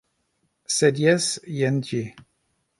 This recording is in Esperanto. Sed, jes, jen ĝi